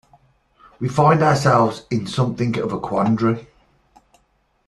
We find ourselves in something of a quandary.